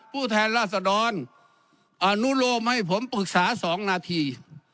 ผู้แทนราษดรอนุโลมให้ผมปรึกษา๒นาที